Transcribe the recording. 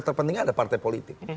terpentingnya adalah partai politik